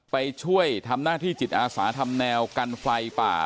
ไปช่วยทำหน้าที่จิตอาสาทำแนวกันไฟป่า